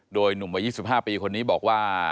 โดยหนุ่มวัย๒๕ปีคนนี้บอกว่า